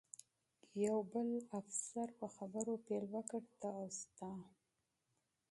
یو بل افسر په خبرو پیل وکړ، ته او ستا.